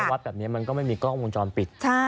วัดแบบนี้มันก็ไม่มีกล้องวงจรปิด